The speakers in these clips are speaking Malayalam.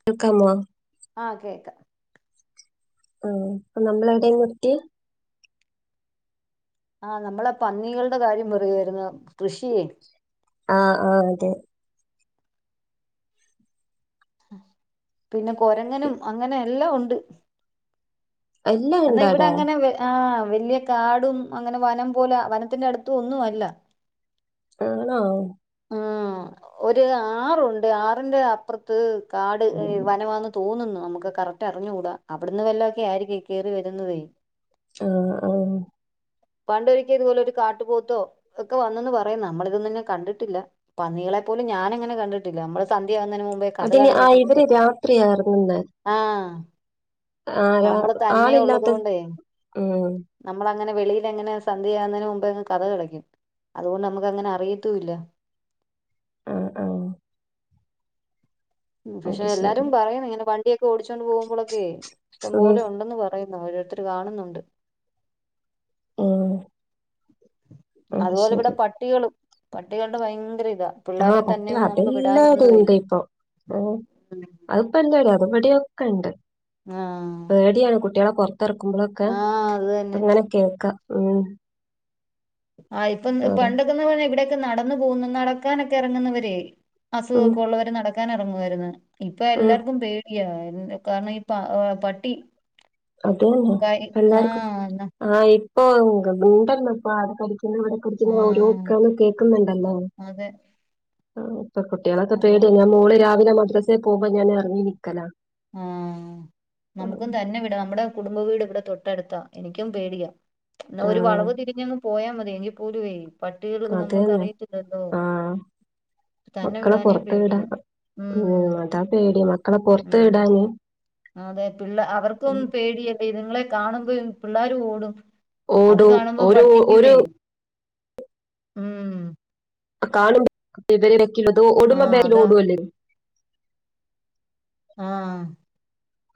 കേൾക്കാമോ ആഹ് കേക്കാം ആ അപ്പൊ നമ്മൾ എവിടെ നിർത്തിയെ ആഹ് നമ്മളെ പന്നികളുടെ കാര്യം പറയായിരുന്നു ആഹ് ആഹ് അതെ പിന്നെ കൊരങ്ങനും അങ്ങനെ എല്ലാം ഉണ്ട് എല്ലാം എന്നാ ഇവിടെ ഇണ്ടാടാ അങ്ങനെ വ ആ വലിയ കാടും അങ്ങനെ വനം പോലെ വനത്തിന്റെ അടുത്ത് ഒന്നും അല്ല ആണോ ആഹ് ഒരു ആറുണ്ട് ആറിന്റെ അപ്പുറത്ത് കാട് വനമാെന്ന് തോന്നുന്നു നമുക്ക് കറക്റ്റ് അറിഞ്ഞുകൂടാ അവിടുന്ന് വല്ലൊക്കെ ആയിരിക്ക കേയറി വരുന്നതേ ആഹ് ആഹ് പണ്ടൊരിക്ക ഇതുപോലെ ഒരു കാട്ടുപോത്തോ ഒക്കെ വന്നന്ന് പറയാം നമ്മളിതൊന്നുംന്നെ കണ്ടിട്ടില്ല പന്നികളെ [unintelligible] പോലും ഞാനങ്ങനെ കണ്ടിട്ടില്ല നമ്മ [unintelligible] വന്നതിന് മുമ്പേ കഥ അതിന് ആ കടക്കുന്നുണ്ട് ഇവര് രാത്രിയാ ഇറങ്ങുന്നെ ആഹ് ആ നമ്മള് തന്നെ ഉള്ളത് ആളില്ലാത്ത കൊണ്ടേ ഉം എങ്ങനെ സന്തിയ യാകുന്നതിന് മുമ്പ്അങ്ങ് കതക് അടക്കും അതുകൊണ്ട് നമുക്ക് അങ്ങനെ അറിയത്തുല്ല ആഹ് ആഹ് ഉം പക്ഷെ അത് ശരി എല്ലാരും പറയണിങ്ങനെ വണ്ടിയൊക്കെ ഓടിച്ചോണ്ട് പോവുമ്പളൊക്കെ ഉം ഇഷ്ടംപോലെ ഒണ്ടെന്ന് പറയു ഓരോരുത്തര് കാണുന്നുണ്ട് ആഹ് അതുപോലിവിടെ പട്ടികളും പട്ടികൾടെ ഭയങ്കര ഇ- ആഹ് പട്ടി അതെല്ലാടെ ണ്ടിപ്പൊ അതിപ്പൊ ന്താ അത്പടിയൊക്കെണ്ട് ആഹ് പേടിയാണ് കുട്ടികളൊ തൊറക്കുമ്പളൊക്കെ ആഹ് അത് തന്നെ അങ്ങനെ കേൾക്കാം ഉം ആഹ് ഇപ്പം ഓരോ പണ്ടൊക്കെന്ന് പറഞ്ഞ ഇവിടൊക്കെനടന്ന് പോവ്ന്നു നടക്കാനൊക്കെ എറങ്ങുന്നവരേ ഉം അസുഖോക്കെ ഒള്ളവര് നടക്കാൻ എറങ്ങുവാരുന്നു ഇപ്പൊ ഉം എല്ലാർക്കും പേടി- യ കാരണം ഈപ പട്ടി അതേന്നെ കൈ എല്ലാർക്കും ആഹ് ന്ന ആഹ് ഇപ്പൊ [unintelligible] പിന്നെവിടെ കുറിച്ചിങ്ങന ഓരോ ആഹ് കേക്കുന്നൊണ്ടല്ലോ? അതെ ആഹ് ഇപ്പ കുട്ട്യൊളൊക്കെ പേടി അതുകൊണ്ട് ഞാ മോള് രാവിലെ മദ്രസേ പോമ്പൊ ഞാ എറങ്ങി നിക്കലാ. ആഹ് നമുക്കും തന്നെവിട് നമ്മടെ കുടുംബവീട് ഇവിടെ തൊട്ട ട്ടടുത്താ എനിക്കും പേടിയാ എന്നാ ഒരു ആഹ് വളവ് തിരിഞ്ഞങ്ങ് പോയാമതി എങ്കിപോലുവെ പട്ടികളിത് നമ്മക്ക് അതന്നെ അറയിത്തില്ലല്ലോ? ആഹ് മക്കളെ പൊറത്ത് വിടാ ഉം അതാപേടി മക്കളെ പൊറത്ത് ഉം അതെ പിള്ള അവർക്കും ഉം. പേടിയ ഇതങ്ങളെ കാണുമ്പ് പിള്ളേരുവോടും ഓടു ഓരു ഓര് ഉം കാണുമ്പോ [unintelligible] ഓടുമ്പം ആഹ് അതാ ബേക്കിലോടുവല്ലേ? ആഹ്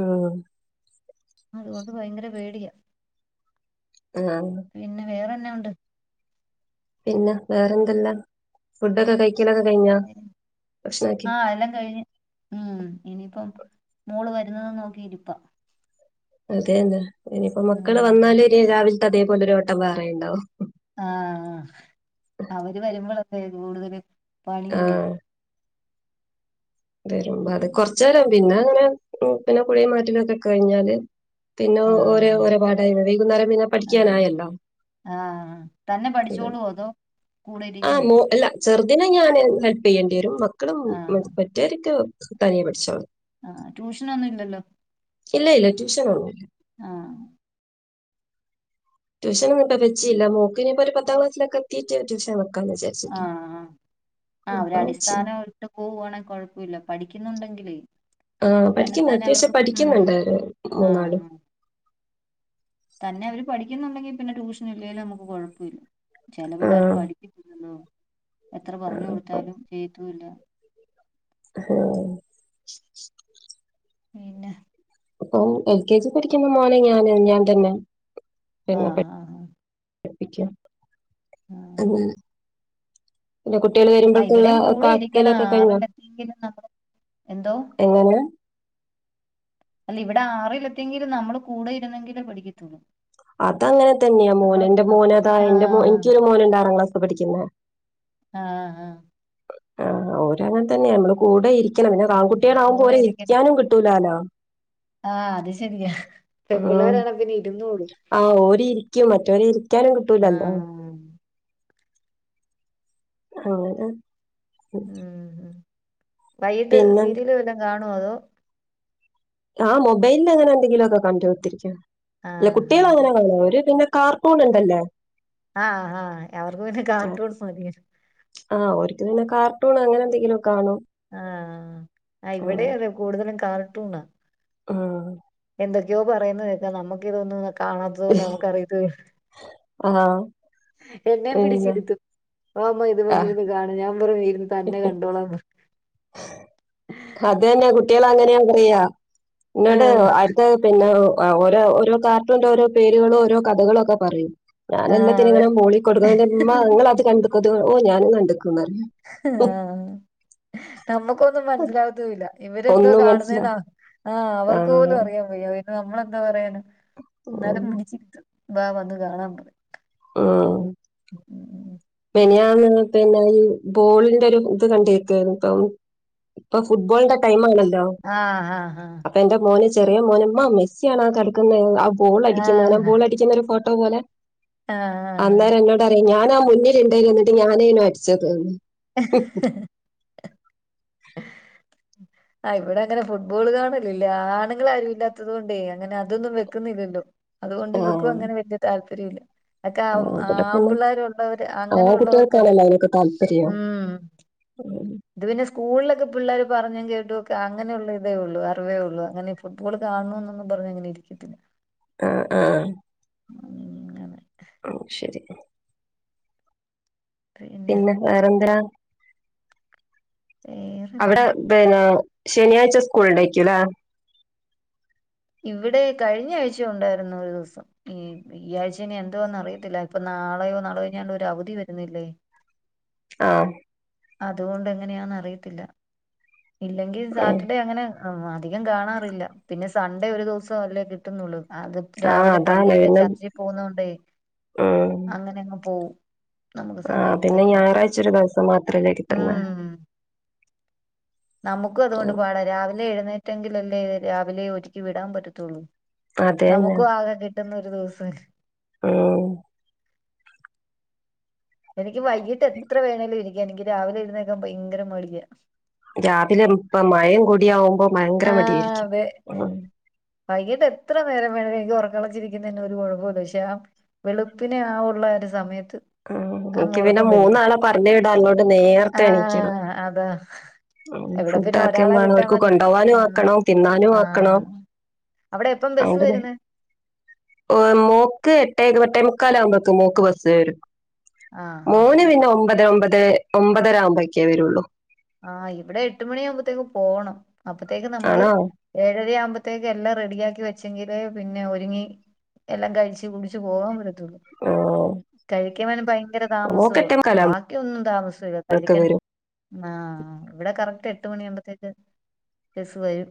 ഉം. അതുകൊണ്ട് ഭയങ്കരപേടിയാ. ആഹ് പിന്നെ വേറെന്ന ഒണ്ട്. പിന്നെ വേറെന്തെല്ലാം ഫുഡൊക്കെ കയ്- ആഹ് എല്ലാം കഴിഞ്ഞ് ഉം ഇനിയിപ്പം മോള് വെ രുന്നതുനോക്കിയിരിപ്പ. അതെയെന്നെ ഇനിയിപ്പൊ മക്കള് ഉം വന്നാല് ഇനി രാവിലത്തെ അതേപോലൊരോട്ടം വേറെയിണ്ടാവും. ആഹ് അവര് വരുമ്പൊളൊക്കെ കൂടുതല് ആ പണിയുള്ളൂ. വെരുമ്പ അത് കൊറച്ചേരം പിന്നെ അങ്ങനെ പിന്നെ കുളിംമാറ്റലുവൊക്കെ കഴിഞ്ഞാല് പിന്നെ ഓരോ ആഹ് ഓരോ പാടായി വൈകുന്നേരം പിന്നെ ആഹ് പഠിക്കാനായല്ലോ. ആഹ് തന്നെ ഇത്. പഠിച്ചോളുവൊ അതോ കൂടെ ഇരിക്കണോ. ചെർദിനെ ഞാന് ഹെൽപ്പിയ്യണ്ടിരും മക്കളും ആഹ് പറ്റീരക്കെ തനിയെ പഠിച്ചോളും. ആഹ് ട്യൂഷനൊന്നും ഇല്ലല്ലോ ഇല്ല ഇല്ല ട്യൂഷനൊന്നില്ല. ആഹ്. ട്ടൂഷൻ ഒന്നും വെച്ചില്ല മേൾക്ക് ഇനിപ്പോ പത്താം ക്ലാസ് എത്തിട്ട് ട്ടഷൻ വെ ആഹ് ആഹ് അപ്പൊ വെച്ചില്ല ഒരടിസ്ഥാനം ഇട്ട് പോവുവാണെകൊഴപ്പില്ല പഠിക്കുന്നൊണ്ട ആഹ് പഠിക്കുന്ന അത്യാശം ഉം പഠിക്കുന്നൊണ്ട് മൂന്നാളും. ആഹ് തന്നെ അവര് പഠിക്ക- ക്കുന്നൊണ്ടെങ്കി പിന്നെ ട്യൂഷനില്ലേലും മ്മക്ക് കൊഴപ്പവില്ല ആ ചെലപിള്ളേര് പഠിക്ക- എത്ര ആ, പറഞ്ഞുകൊടുത്താലും ചെയ്യത്തുവില്ല ആഹ് പിന്നെ അപ്പൊ എൽ കെ ജി പഠിക്കുന്ന മോനെ ഞാന് ഞാതന്നെ. ആഹ് ആഹ് ആഹ്. പ്പിക്കാം അങ്ങനെ. പിന്നെ കുട്ട്യേള് ആഹ് വരുമ്പക്കിള്ള ഇവിടെയും കൂടെ ഇരിക്കണം കാക്കലൊക്കെകഴിഞ്ഞാ ആറിലെത്തിയെങ്കിലും നമ്മള് എന്തോ എങ്ങനെ അല്ല ഇവിടെ ആറിലത്തെങ്കിലും നമ്മള് കൂടെ ഇരുന്നെങ്കിലേ പഠിക്കത്തൊള്ളൂ അതെങ്ങനെ തന്നെയാ മോന് എന്റെ മോനതാ ആഹ് എനിക്കൊരു മോനുണ്ട് ആറാം ക്ലാസ്സി പഠിക്കുന്നേ ആഹ് ആഹ് ആഹ്‌ ഓര് അങ്ങനെ തന്നെയാ നമ്മള് കൂടെ ഇരിക്കണം പിന്നെ ആഹ് ആൺകുട്ടികളാകുമ്പോ കൂടെ ഓരെ ഇരിക്കണം ഇരിക്കാനും കിട്ടൂലാലോ ആഹ് അത് ശെരിയാ പെൺപിള്ളേരാണെ ആണെ പിന്നെ ഇരുന്നോളും ആഹ് ഓര് ഇരിക്കും മറ്റോരേ ഇരിക്കാനും കിട്ടൂലല്ലോ ആഹ് അങ്ങനെ ഉം വൈയിട്ട് സീരീല് വല്ലതും കാണുവോ അതോ ആഹ് മൊബൈലി അങ്ങനെ എന്തെങ്കിലും ഒക്കെ കണ്ടു കുത്തിരിക്കും അല്ല ആഹ് കുട്ടികള് അങ്ങനെ [unintelligible] അവര് പിന്നെ കാർട്ടൂൺ ഇണ്ടല്ല ആഹ് ആഹ് അവർക്ക് പിന്നെ കാർട്ടൂൺ മതി അത് പിന്നെ കാർട്ടൂൺ അങ്ങനെ എന്തെങ്കിലു ആഹ് ആഹ് ഇവടേം അതെ കൂടുതലും കാർട്ടൂണാ ആഹ് എന്തൊക്കെയോ പറയുന്നേ കേക്കാ നമ്മക്ക് ഇതൊന്നും കാണാത്തത് കൊണ്ട് നമുക്ക് അറിയത്ത് വേ ആഹ് എന്നേം പിന്നെ പിടിച്ചിര്ത്തും വാ അമ്മ ഇത് ആഹ് വന്നിരുന്ന് കാണ് ഞാൻ പറയും ഇരുന്ന് തന്നെ കണ്ടോളാന്ന് അതെന്നെ കുട്ടികള് അങ്ങനെയാ പറയാ എന്നോട് ആഹ് അടുത്ത പിന്നോ ഓല് ഓരോ കാർട്ടൂന്റെ ഓരോ പേരുകളും ഓരോ കഥകളും ഒക്കെ പറയും ഞാൻ ആഹ് എല്ലാത്തിനും അതെ ഇങ്ങനെ മൂളി കൊടുക്കും ഇമ്മാ നിങ്ങളത് കണ്ട്ക്കൊ ഓ ഞാനും കണ്ട് ആഹ്‌ നമുക്കൊന്നും മനസ്സിലാവത്തുവില്ല ഇവരെന്തോ ഒന്നും മനസ്സിലാ കാണുന്നത് ആഹ് അവർക്ക് ആഹ് പോലും അറിയാൻ വയ്യ നമ്മളെന്താ പറിണെ ഉം ന്നാലും പിടിച്ചി രിത്തും വാ വന്ന് കാണാം പറിം. ആഹ് മിനിഞ്ഞാന്ന് [unintelligible] ബോളിൻ്റൊരു ഇത് കണ്ടേക്കാണ്‌ ട്ടോ ഇപ്പം ഫുട്ബോളിന്റെ ടൈം മാണല്ലോ ആഹ് ആഹ് അപ്പൊ എന്റെ മോന് ച് ചെറിയ മോന് ഇമ്മ മെസ്സ്യാ ണാ കടക്ക്ന്നേ ആ ബോളടിക്കുന്നേനെ ആഹ് ബോളടിക്കുന്നൊരു ഫോട്ടോ പോലെ ആഹ് ആഹ് അന്നേരം എന്നോടറ്യാ ഞാനാ മുന്നില്ണ്ടേയ്ന്യെ ന്നട്ട് ഞാനേനു അടിച്ചത് ആഹ് ഇവടങ്ങനെ ഫുട്ബോൾ കാണലില്ല ആണ്ങ്ങളാരും ഇല്ലാത്തത് കൊണ്ടേ അങ്ങനെ അതൊന്നും വെക്കുന്നില്ലല്ലോ. അതുകൊണ്ട് ആ, ഇവക്കും അങ്ങനെ വെല്ല്യ താല്പര്യൂ ല്ല. ആക്കെ ആ, ഇവിടെ പിന്നെ ആമ്പിള്ളേരു ള്ളവര് ആ അങ്ങനെ ഉള്ളവർക്കല്ലേ കുട്ടികൾക്കാണല്ലോ അതിനൊക്കെ താല്പര്യം ഉം ഉം ഇത് പിന്നെ സ്കൂളിലൊക്കെ പിള്ളേര് പറഞ്ഞും കേട്ടൊക്കെ അങ്ങനെയുള്ളതേ ഉള്ളൂ അറിവേ ഉള്ളൂ അങ്ങനെ ഫുട്ബോൾ കാണ ണന്നൊന്നും പറഞ്ഞ് അങ്ങനെ ഇരിക്കത്തില്ല. ആഹ് ആഹ് അങ്ങനെ ഔ ശെരി പിന്നെ വേറെന്താ? വേറെന്താ അവടെ പിന്നെ ശനിയാഴ്ച സ്കൂളിണ്ടേക്ക്യുല്ലേ ഇവടെ കഴ്ഞ്ഞാഴ്ച്ച ഉണ്ടായിരുന്നു ഒരു ദിവസം ഉം ഈ ആഴ്ച്ച ഇനി എന്തുവാന്നറിയത്തില്ല ഇപ്പ ന നാളെയോ നാളെ കഴിഞ്ഞാണ്ടൊരവധി വെരുന്നില്ലേ ആഹ് അത്കൊണ്ട് എങ്ങനെയാന്നറിയത്തില്ല ഇല്ലെങ്കി സാ ഉം. ആഹ് അധികം കാണാറില്ല പിന്നെ സൺഡേ ഒരു ദൊവസം അല്ലേ കിട്ടുന്നൊള്ളൂ. അത് പ് ആ രാവിലെ അതാണ് പള്ളിയിലെ പിന്നെ ചർച്ച് പോന്നോണ്ടെ ഉം. അങ്ങനങ്ങ് പോവും. ആ പിന്നെ ഞായറാഴ്ച ഒരു ദിവസം മ മ്മ് നമുക്കും അതുകൊണ്ട് പാടാ രാവിലെ എഴുന്നേറ്റ് ങ്കിലല്ലേ രാവിലെ ഒരുക്കി വിടാൻ പറ്റത്തുള്ളൂ അതെ തന്നെ നമുക്കും ആകെ കി കിട്ടുന്നൊരു ദിവസ ഉം എനിക്ക് വൈകിട്ട് എത്ര വേണേലും ഇരിക്കാം എനിക്ക് രാവിലെ എഴുന്നേക്കാൻ ഭയങ്കര മടിയ രാവിലെ ഇപ്പം മഴയും കൂടിയാകുമ്പോൾ ഭയങ്കര ആ മടിയായിരിക്കും അതെ വൈകിട്ട് എത്ര നേരം വേണമെങ്കിലും എനിക്ക് ഉറക്കമിളച്ചിരിക്കുന്നെന്ന് ഒരു കുഴപ്പമില്ല പക്ഷെ ആ വെളുപ്പിനെ ആ ഉള്ള സമയത്ത് ആഹ്‌ അങ്ങ് എനിക്ക് പിന്നെ ഉറക്കം വരും മൂന്നാളെ പറഞ്ഞ് വിടാൻ ഉള്ളോണ്ട് ആ നേർത്തെ എണീക്കണം അതാ ഇവിടെ ഫുഡ് പിന്നെ ആക്കെ ഒരാളെ വേണം വിട്ടാ അവർക്ക് മതി കൊണ്ടു ആ പോവാനും ആക്കണം തിന്നാനും ആ ആക്കണം അവിടെ എപ്പം ബസ് വരുന്നേ മ്മ് മോൾക്ക് എട്ടെഇരുപ്പത്ത എട്ടെ മുക്കാലാകുമ്പേക്ക് മോള്ക്ക് ബസ് വരും ആ ആ മോന് ആ പിന്നെ ഒമ്പത് ഒമ്പതെ ഒമ്പതര ആകുമ്പോഴക്കേ വരുള്ളൂ ആഹ് ഇവിടെ എട്ട് മണിയാകുമ്പോത്തേക്കും പോകണം അപ്പത്തേക്ക് നമ്മള് ആണോ ഏഴര ആവുമ്പത്തേ ത്തേക്ക് എല്ലാം റെഡിയാക്കി വെച്ചെങ്കിലെ പിന്നെ ഒരുങ്ങി എല്ലാം കഴിച്ച് കുടിച്ച് പോകാൻ ത്തുളു കഴിക്കുന്നെന് ഭയങ്കര മോക്ക് താമസവുമാ എട്ടേ മുക്കാലാകുമ്പോഴേക്ക് ബാക്കിയൊന്നും താമസവല്ല കഴിക്കണെ വരും ആഹ് ഇവിടെ കറക്റ്റ് എട്ട് മണിയ ആകുമ്പോത്തേക്ക് ബസ് വരും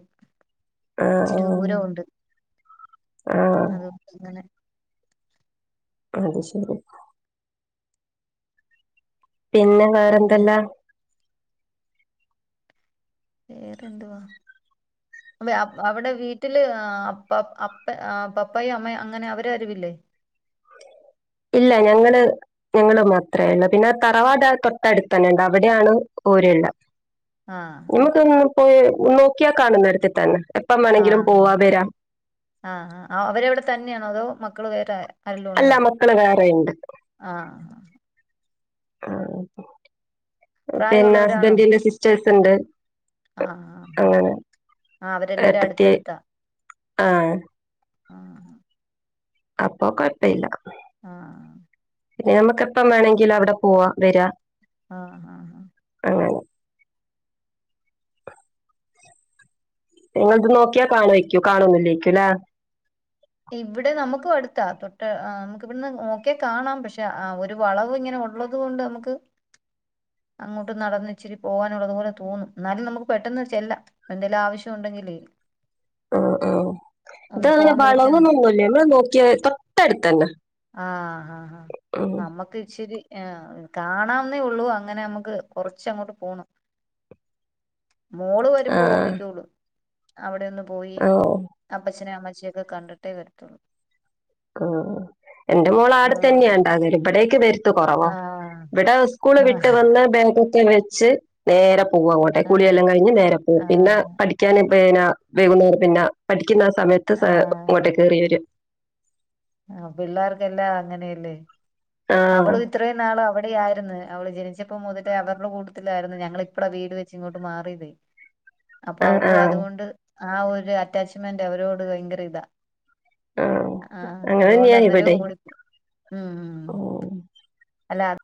ആ ആ ഇച്ചിരി ദൂരവും ഉണ്ട് ആ അത് അങ്ങനെ അത് ശരി പിന്നെ പിന്നെ വേറെന്തല്ലാ വേറെന്തുവാ അ അവിടെ വീട്ടില് അ അപ്പ പപ്പയും അമ്മയും അങ്ങനെ അവര് ആരുവില്ലേ [inaudible] ഇല്ല ഞങ്ങള് ഞങ്ങള് മാത്രേ ഉള്ളൂ പിന്നെ തറവാട് തൊട്ടടുത്ത് തന്നെണ്ട് അവിടെയാണ് പൊര ഉള്ളെ ആഹ് നമുക്കൊന്ന് പോയി നോക്കിയാൽ കാണും നെരത്തിൽ തന്നെ എപ്പം വേണമെങ്കിലും ആഹ് പോവാ വരാം ആഹ് ആഹ് അവരവിടെ തന്നെയാണോ അതോ മക്കള് വേറെ ആരെല്ലും ഉണ്ടോ അല്ല മക്കള് വേറെയുണ്ട് ആഹ് ആഹ് പിന്നെ പ്രായമുള്ളവരാണോ ഹസ്ബൻറിന്റെ സിസ്റ്റേഴ്സ് ഉണ്ട് ആഹ് ആഹ് അങ്ങനെ ആഹ് അവരെല്ലാരും ഏട്ടത്തി അടുത്തടുത്താ ആഹ് ആഹ് ഹ അപ്പം കൊഴപ്പം ഇല്ല ആഹ് ഹ പിന്നെ നമുക്ക് എപ്പം വേണമെങ്കിലും അവിടെ പോവാം വരാം ആഹ് ഹഹ് ഹ നിങ്ങള്ത് നോക്കിയാ കാണുമായിരിക്കും കാണും ഒന്നില്ലേക്കും അല്ലേ ഇവിടെ നമുക്കും അടുത്താ തൊട്ട് നമുക്ക് ഇവിടുന്ന് നോക്കിയാൽ കാണാം പക്ഷെ ആ ഒരു വളവ് ഇങ്ങനെ ഉള്ളത് കൊണ്ട് നമുക്ക് അങ്ങോട്ട് നടന്ന് ഇച്ചിരി പോകാനുള്ളതു പോലെ തോന്നും എന്നാലും നമുക്ക് പെട്ടെന്ന് ചെല്ലാം എന്തേങ്കിലും ആവശ്യം ഉണ്ടെങ്കിലെ മ്മ് മ്മ് ഇതങ്ങനെ ഫോൺ ബ വിളിച്ചാ മതി അങ്ങനൊന്നൂല്ല നമ്മള് നോക്കിയ തൊട്ടടുത്തന്നെ ആഹ് മ്മ് ആ കാണന്നേ ഉള്ളൂ അങ്ങനെ നമുക്ക് കൊറച്ചങ്ങോട്ട് പോണം മോള് ആ വരുമ്പോ ഓടിക്കോള്ളും അവിടൊന്ന് പോയി ഓ അപ്പച്ചനെം അമ്മച്ചയൊക്കെ കണ്ടിട്ട് ട്ടെ വരുത്തുള്ളൂ ആഹ് എന്റെ മോള് ആടെ തന്നെയ ആഹ് ഇണ്ടാകല് ആഹ് ഇവിടേക്ക് വര ത്ത് കുറവാ ആഹ് ഇവിടെ സ്കൂള് വിട്ട് ആഹ് വന്ന ബാഗൊക്കെ വെച്ച് നേരെ പോവും അങ്ങോട്ടെക്ക് ആഹ് കുളിയെല്ലാം കഴിഞ്ഞ് നേരെ പോകും പിന്നെ പഠിക്കാന് പിന്നെ വൈകുന്നേരം പിന്നെ പഠിക്കാൻ ക്കുന്ന ആ സമയത്ത് ഇങ്ങോട്ട് കേയറി വരും ആ പിള്ളേർക്ക് എല്ലാം അങ്ങനെയല്ലേ ആ അവളും ഇത്രയും നാള് അവടെ വിടെ ആയിരുന്നു അവള് ജനിച്ചപ്പോ മുതിട്ട് അവരുടെ കൂട്ടത്തിലാരുന്നു ഞങ്ങളിപ്പളാ വീട് വെച്ച് ഇങ്ങോട്ട് മാറിയതേ അപ്പൊ ആ അവക്ക് ആ അതുകൊണ്ട് ആ ഒരു അറ്റാച്ച്മെന്റ് അവരോട് ഭയങ്കര ഇതാ ആ ആഹ് അങ്ങനെ അതുകൊണ്ട് തന്നെയാ അന്നേരോം ഇവിടെ ഓടിപ്പോ ഉം ഉം അല്ല അത്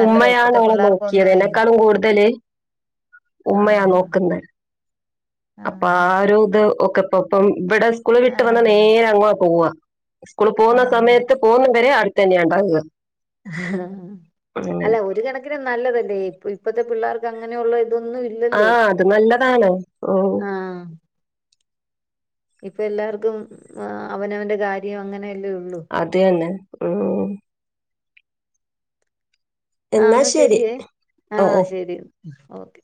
നല്ലതാ ഉമ്മയാണ് ഇപ്പത്തെ അവളെ നോക്കിയത് പിള്ളേർക്കൊന്നുവേ എന്നെക്കാളും കൂടുതല് ഉമ്മയാ ആഹ് നോക്കുന്നെ അപ്പൊ ആഹ് ആ ഒരു ഇത് ഒക്കെ ഇപ്പ ഇപ്പം ഇവിടെ സ്കൂള് വിട്ട് വന്ന ആഹ് നേരെ അങ്ങോ പോവ്വാ സ്കൂള് പോകുന്ന ആഹ് സമയത്ത് പോകുന്നംവരെ അവിടത്തന്യ ഉണ്ടാവ അല്ല ഒരു കണക്കിന് നല്ലതല്ലേ ഇപ്പ ഇപ്പത്തെ പിള്ളേർക്ക് അങ്ങനെയുള്ള ഇത് അതൊന്നും ആ ഇല്ലല്ലോ അത് നല്ലതാണ് ഉം ആഹ് ഇപ്പൊ എല്ലാവർക്കും ആഹ് അവനവന്റെ കാര്യം അങ്ങനെ അത തന്നെ ഉം ആഹ് എന്നാ ശരിയേ ഓ ആഹ് ഓ ശരി ഓക്കെ